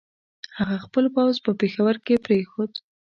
هغه خپل پوځ په پېښور کې پرېښود.